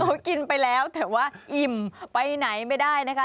เขากินไปแล้วแต่ว่าอิ่มไปไหนไม่ได้นะคะ